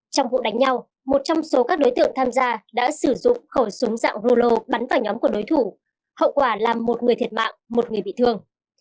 trong vụ đánh nhau một trong số các đối tượng tham gia đã sử dụng khẩu súng dạng rulo bắn vào nhóm của đối thủ hậu quả làm một người thiệt mạng một người bị thương